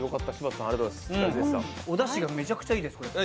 おだしがめちゃくちゃいいですね。